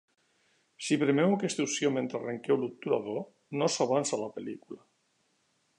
Si premeu aquesta opció mentre arrenqueu l'obturador, no s'avança la pel·lícula.